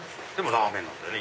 ラーメンなんだね。